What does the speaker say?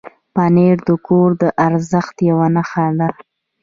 پنېر د کور د ارزښت یو نښه ده.